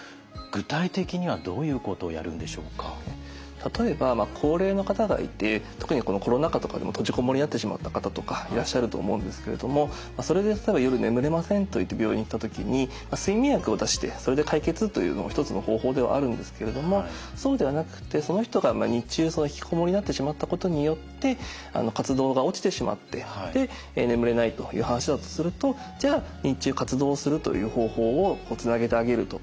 例えば高齢の方がいて特にこのコロナ禍とかでも閉じこもりになってしまった方とかいらっしゃると思うんですけれどもそれで「夜眠れません」と言って病院に行った時に睡眠薬を出してそれで解決というのも一つの方法ではあるんですけれどもそうではなくてその人が日中引きこもりになってしまったことによって活動が落ちてしまってで眠れないという話だとするとじゃあ日中活動するという方法をつなげてあげるとか